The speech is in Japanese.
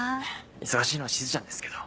忙しいのはしずちゃんですけど。